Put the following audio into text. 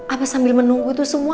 apa sambil menunggu itu semua